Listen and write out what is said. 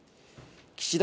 岸田